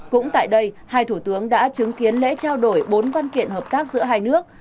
cũng tại đây hai thủ tướng đã chứng kiến lễ trao đổi bốn văn kiện hợp tác giữa hai nước